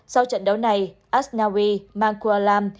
sau trận đấu này asnawi mangkulam